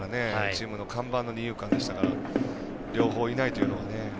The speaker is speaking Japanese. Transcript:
チームの看板の二遊間ですから両方いないというのはね。